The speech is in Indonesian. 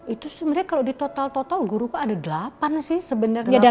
itu sebenernya kalo di total total guru pak ada delapan sih sebenernya